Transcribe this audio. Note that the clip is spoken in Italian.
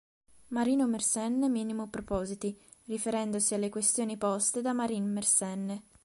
Marino Mersenne Minimo propositi", riferendosi alle questioni poste da Marin Mersenne.